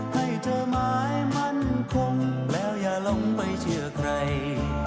ให้เธอหมายมั่นคงแล้วอย่าลงไปเชื่อใคร